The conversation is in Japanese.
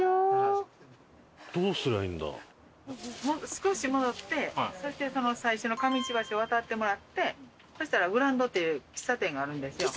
少し戻ってそしてその最初の上市橋を渡ってもらってそしたらグランドっていう喫茶店があるんですよ。